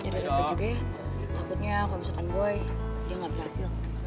yaudah dapet juga ya takutnya kalo misalkan boy dia gak berhasil